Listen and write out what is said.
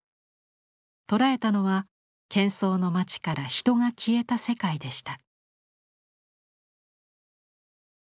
捉えたのはけん騒の町から人が消えた世界でした。